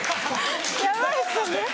ヤバいですよね。